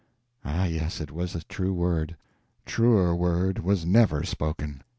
Ah, yes, and it was a true word. Truer word was never spoken.